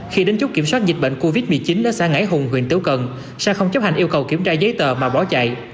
khi đến chốt kiểm soát dịch bệnh covid một mươi chín ở xã ngãi hùng huyện tứ cần sa không chấp hành yêu cầu kiểm tra giấy tờ mà bỏ chạy